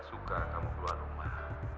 suka kamu keluar rumah